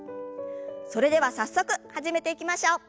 それでは早速始めていきましょう。